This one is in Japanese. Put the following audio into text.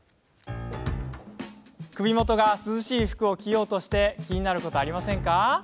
首元が涼しい服を着ようとして気になること、ありませんか。